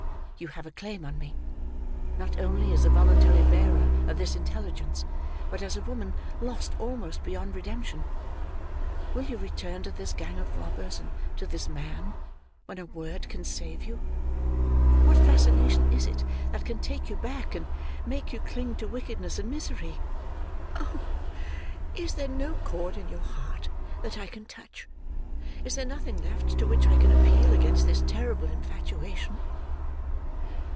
You have a claim on me: not only as the voluntary bearer of this intelligence, but as a woman lost almost beyond redemption. Will you return to this gang of robbers, and to this man, when a word can save you? What fascination is it that can take you back, and make you cling to wickedness and misery? Oh! is there no chord in your heart that I can touch! Is there nothing left, to which I can appeal against this terrible infatuation!"